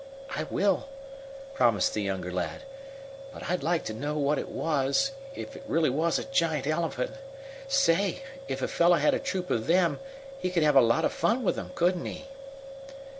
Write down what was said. "I will," promised the younger lad. "But I'd like to know what it was if it really was a giant elephant Say! if a fellow had a troop of them he could have a lot of fun with 'em, couldn't he?"